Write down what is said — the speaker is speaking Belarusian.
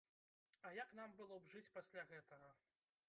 А як нам было б жыць пасля гэтага?!